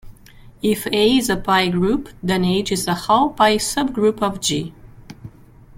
If "A" is a π-group then "H" is a Hall π subgroup of "G".